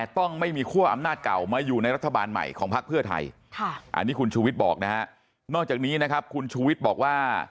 ที่เราจะบอกนะฮะนอกจากนี้นะครับคุณชูวิตบอกว่า